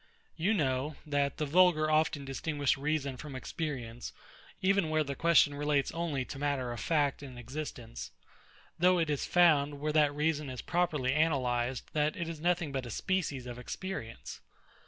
You know, that the vulgar often distinguish reason from experience, even where the question relates only to matter of fact and existence; though it is found, where that reason is properly analysed, that it is nothing but a species of experience.